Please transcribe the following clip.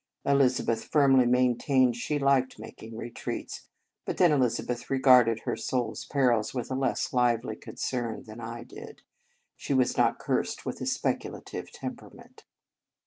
Eliz abeth firmly maintained she liked making retreats; but then Elizabeth regarded her soul s perils with a less lively concern than I did. She was not cursed with a speculative tem perament.